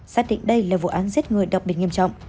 xác định đây là vụ án giết người đặc biệt nghiêm trọng